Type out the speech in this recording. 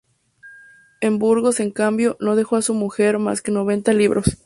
En Burgos, en cambio, no dejó a su muerte más que noventa libros.